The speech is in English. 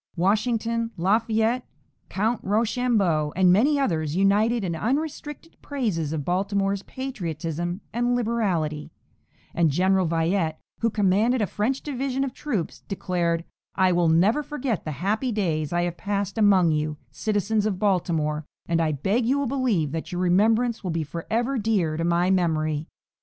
Washington, Lafayette, Count Rochambeau, and many others united in unrestricted praises of Baltimore's patriotism and liberality, and General Vallette, who commanded a French division of troops, declared: "I will never forget the happy days I have passed among you, citizens of Baltimore, and I beg you will believe that your remembrance will be forever dear to my memory."